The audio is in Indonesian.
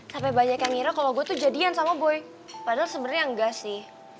sampai banyak yang ngira kalo gue tuh jadian sama boy padahal sebenernya engga sih